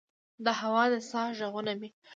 د هوا د سا ه ږغونه مې